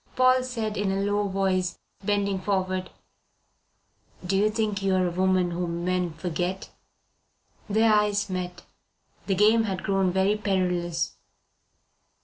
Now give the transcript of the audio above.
Paul said in a low voice, bending forward: "Do you think you are a woman whom men forget?" Their eyes met. The game had grown very perilous.